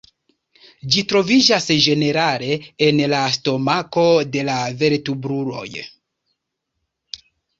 Ĝi troviĝas ĝenerale en la stomako de la vertebruloj.